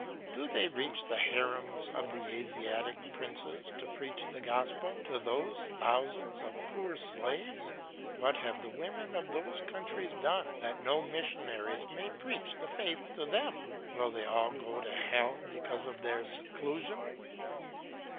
Do they reach the harems of the Asiatic princes to preach the gospel to those thousands of poor slaves? What have the women of those countries done that no missionary may preach the faith to them? Will they all go to hell because of their seclusion?